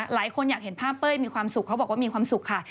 หลายคนอยากเห็นภาพเป้ยมีความสุขเขาบอกว่ามีความสุขค่ะ